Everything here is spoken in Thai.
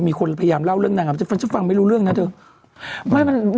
มีคนพยายามเล่าเรื่องนางงามแต่ฉันฟังไม่รู้เรื่องนะเธอไม่มัน